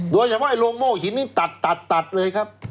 โดยเฉพาะไอโลงโมหินนี้ตัดเลยครับ